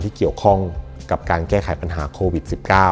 ที่เกี่ยวข้องกับการแก้ไขปัญหาโควิด๑๙